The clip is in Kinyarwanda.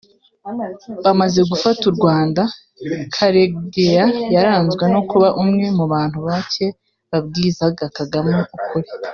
Bamaze gufata u Rwanda Karegeya yaranzwe no kuba umwe mu bantu bacye babwizaga Kagame ukuri